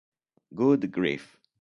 Good Grief